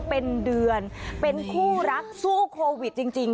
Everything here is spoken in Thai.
เป็นเดือนเป็นคู่รักสู้โควิดจริง